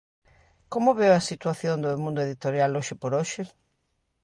Como ve a situación do mundo editorial hoxe por hoxe?